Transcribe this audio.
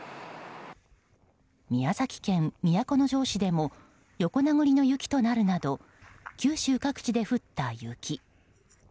宮崎県都城市でも横殴りの雪となるなど九州各地で降った雪。